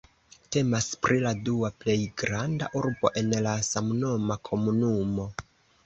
Temas pri la dua plej granda urbo en la samnoma komunumo.